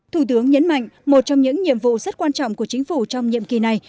thủ tướng nhấn mạnh một trong những nhiệm vụ rất quan trọng của chính phủ trong nhiệm kỳ này